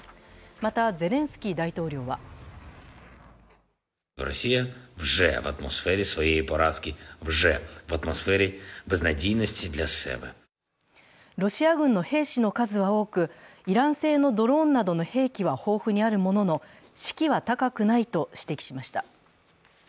また、ゼレンスキー大統領はロシア軍の兵士の数は多く、イラン製のドローンなどの兵器は豊富にあるものの士気は高くないと指摘しました。